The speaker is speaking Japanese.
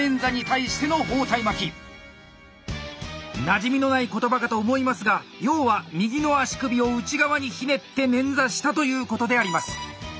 なじみのない言葉かと思いますが要は右の足首を内側にひねって捻挫したということであります。